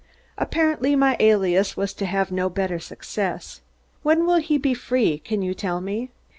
Apparently my alias was to have no better success. "When will he be free, can you tell me?"